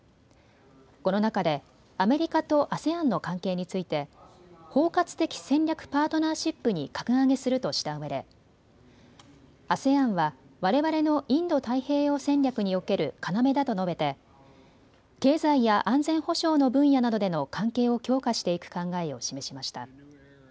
この中でアメリカとＡＳＥＡＮの関係について包括的戦略パートナーシップに格上げするとしたうえでＡＳＥＡＮは、われわれのインド太平洋戦略における要だと述べて経済や安全保障の分野などでの関係を強化していく考えを示しました。